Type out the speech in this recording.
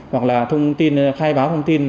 hoặc là thông tin khai báo thông tin